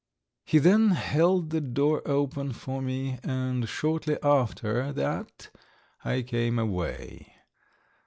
He then held the door open for me, and shortly after that I came away.